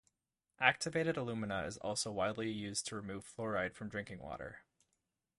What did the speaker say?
Activated alumina is also widely used to remove fluoride from drinking water.